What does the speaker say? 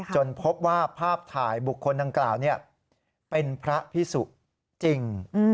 พบว่าภาพถ่ายบุคคลดังกล่าวเป็นพระพิสุจริง